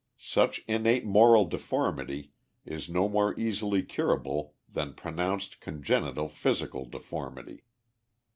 Such innate moral deformity is no more easily curable than pronounced con genital physical deformity.